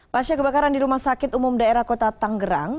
pasca kebakaran di rumah sakit umum daerah kota tanggerang